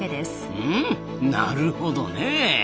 うんなるほどね。